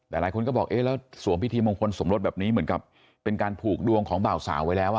แต่หลายคนก็บอกเอ๊ะแล้วสวมพิธีมงคลสมรสแบบนี้เหมือนกับเป็นการผูกดวงของบ่าวสาวไว้แล้ว